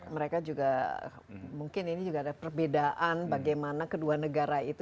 mereka juga mungkin ini juga ada perbedaan bagaimana kedua negara itu